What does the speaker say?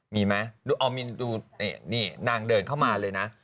มีไหมนี่นางเดินเข้ามาเลยนะ